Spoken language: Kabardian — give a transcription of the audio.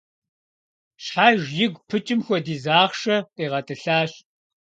Щхьэж игу пыкӏым хуэдиз ахъшэ къигъэтӏылъащ.